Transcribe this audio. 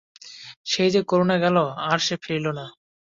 সেই যে করুণা গেল, আর সে ফিরিল না।